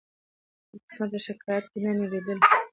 د قسمت په شکایت نه مړېدله